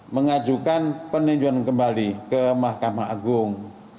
mengajukan peninjuan kembali ke mahkamah agung